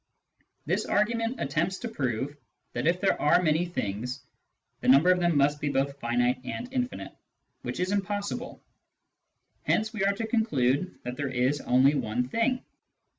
^ This argument attempts to prove that, if there are many things, the number of them must be both finite and infinite, which is impossible ; hence we are to con clude that there is only one thing.